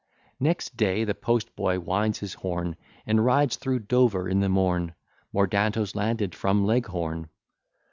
Next day the post boy winds his horn, And rides through Dover in the morn: Mordanto's landed from Leghorn.